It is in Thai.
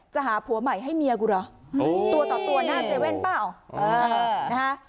หาผัวใหม่ให้เมียกูเหรอตัวต่อตัวหน้าเว่นเปล่านะฮะ